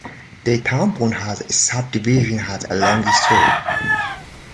The tambon as a subdivision has a long history.